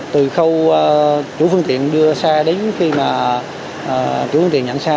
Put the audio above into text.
từ khâu chủ phương tiện đưa xe đến khi mà chủ phương tiện nhận xe